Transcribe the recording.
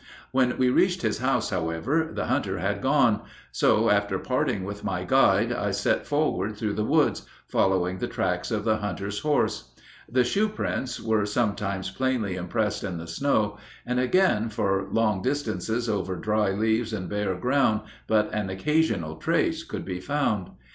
When we reached his house, however, the hunter had gone; so, after parting with my guide, I set forward through the woods, following the tracks of the hunter's horse. The shoe prints were sometimes plainly impressed in the snow, and again for long distances over dry leaves and bare ground but an occasional trace could be found.